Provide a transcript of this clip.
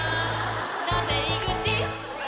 「なぜ井口？」